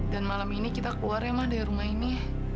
dan malam ini kita keluar ya ma dari rumah ini